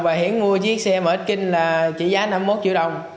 và hiển mua chiếc xe mở ít kinh là chỉ giá năm mươi một triệu đồng